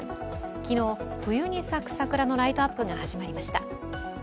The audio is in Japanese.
昨日、冬に咲く桜のライトアップが始まりました。